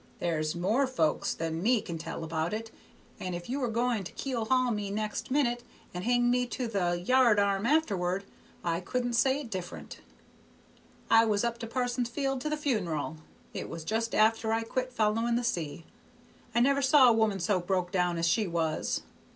"There's more folks than me can tell about it, and if you were goin' to keel haul me next minute, and hang me to the yard arm afterward, I couldn't say it different. I was up to Parsonsfield to the funeral; it was just after I quit following the sea. I never saw a woman so broke down as she was.